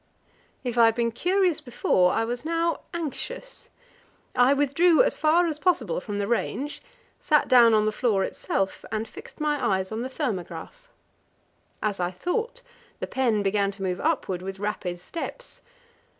If I had been curious before, I was now anxious. I withdrew as far as possible from the range, sat down on the floor itself, and fixed my eyes on the thermograph. As I thought, the pen began to move upward with rapid steps.